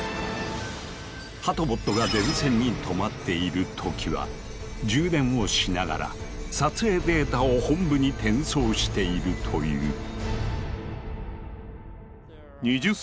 ハトボットが電線にとまっている時は充電をしながら撮影データを本部に転送しているという。